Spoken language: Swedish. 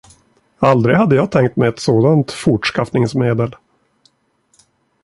Aldrig hade jag tänkt mig ett sådant fortskaffningsmedel.